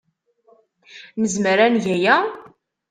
Nezmer ad neg aya?